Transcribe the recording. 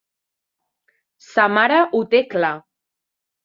Sa mare ho té clar.